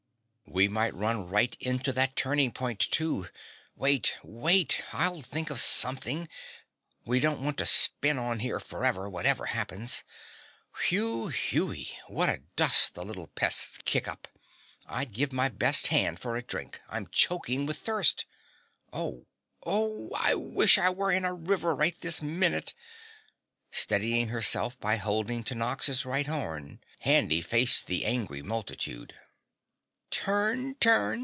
"We might run right into that turning point, too. Wait! Wait! I'll think of something. We don't want to spin on here forever, whatever happens! Whew hewey, what a dust the little pests kick up. I'd give my best hand for a drink, I'm choking with thirst. Oh! Oh! I wish I were in a river right this minute." Steadying herself by holding to Nox's right horn, Handy faced the angry multitude. "Turn! Turn!